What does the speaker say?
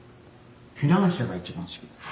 フィナンシェが一番好きなの。